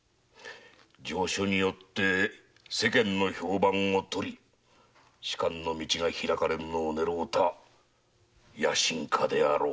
上書によって世間の評判を取り仕官の道が開かれるのを狙った野心家であろう。